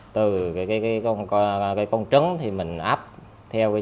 từ con trứng thì mình ấp theo chân